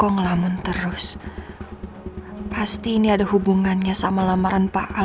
andin keluar kantor siang siang kemana ya